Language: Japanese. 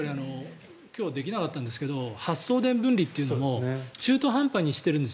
今日できなかったんですけど発送電分離というのも中途半端にしているんです。